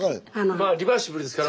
まあリバーシブルですから。